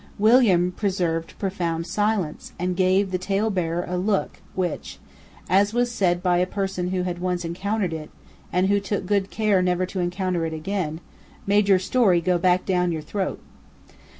William preserved profound silence, and gave the talebearer a look which, as was said by a person who had once encountered it, and who took good care never to encounter it again, made your story go back down your throat.